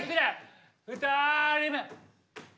２人目。